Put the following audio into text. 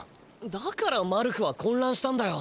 だからマルクはこんらんしたんだよ。